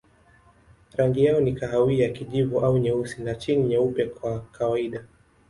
Rangi yao ni kahawia, kijivu au nyeusi na chini nyeupe kwa kawaida.